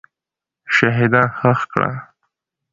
شهیدان ښخ کړه.